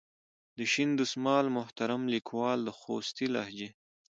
د شین دسمال محترم لیکوال د خوستي لهجې.